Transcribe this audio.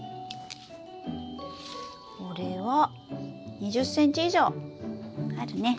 これは２０ｃｍ以上あるね。